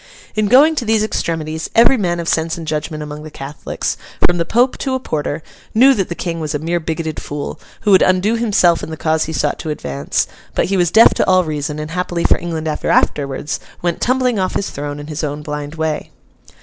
In going to these extremities, every man of sense and judgment among the Catholics, from the Pope to a porter, knew that the King was a mere bigoted fool, who would undo himself and the cause he sought to advance; but he was deaf to all reason, and, happily for England ever afterwards, went tumbling off his throne in his own blind way.